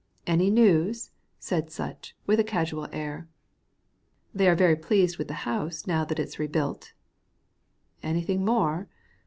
"Any news?" said Sutch, with a casual air. "They are very pleased with the house now that it's rebuilt." "Anything more?"